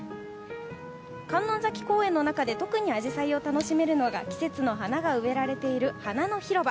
観音崎公園の中で特にアジサイを楽しめるのが季節の花が植えられている花の広場。